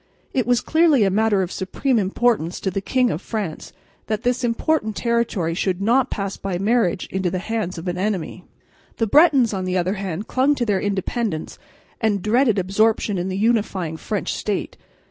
It was clearly a matter of supreme importance to the King of France that this important territory should not pass by marriage into the hands of an enemy. The Bretons, on the other hand, clung to their independence and dreaded absorption in the unifying French state.